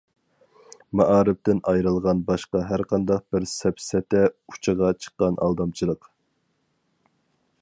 مائارىپتىن ئايرىلغان باشقا ھەرقانداق بىر سەپسەتە ئۇچىغا چىققان ئالدامچىلىق.